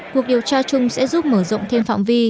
cuộc điều tra chung sẽ giúp mở rộng thêm phạm vi